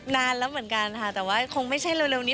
นานแล้วเหมือนกันค่ะแต่ว่าคงไม่ใช่เร็วนี้